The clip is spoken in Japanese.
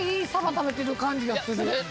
食べてる感じがする。